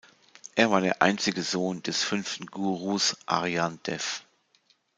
Er war der einzige Sohn des fünften Gurus, Arjan Dev.